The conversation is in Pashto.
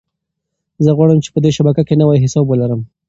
زه غواړم چې په دې شبکه کې نوی حساب ولرم.